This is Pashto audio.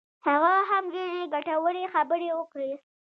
هغه هم ډېرې ګټورې خبرې وکړې.